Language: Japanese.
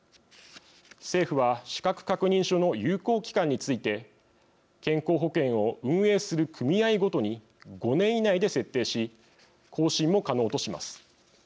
政府は資格確認書の有効期間について健康保険を運営する組合ごとに５年以内で設定し更新も可能とします。